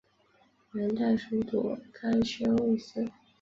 元代属朵甘宣慰司。